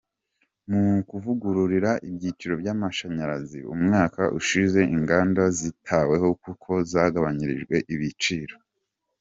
Mu kuvugurura ibiciro by’amashanyarazi umwaka ushize, inganda zitaweho kuko zagabanyirijwe ibiciro.